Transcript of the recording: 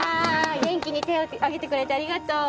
元気に手を上げてくれてありがとう。